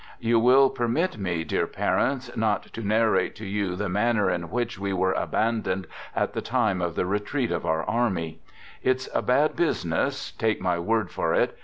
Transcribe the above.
You will permit me, dear parents, not to narrate 20 Digitized by THE GOOD SOLDIER" 21 to you the manner in which we were abandoned at the time of the retreat of our army. It's a bad J business, take my word for it!